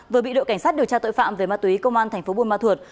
vừa bị đội cảnh sát điều tra tội phạm về ma túy công an thành phố bùi ma thuật